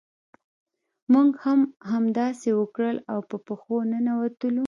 موږ هم همداسې وکړل او په پښو ننوتلو.